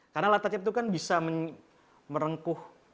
karena layar tancap itu kan bisa merengkuh